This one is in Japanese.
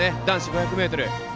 男子５００ｍ。